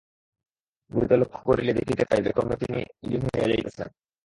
গুরুকে লক্ষ্য করিলে দেখিতে পাইবে, ক্রমে তিনি লীন হইয়া যাইতেছেন।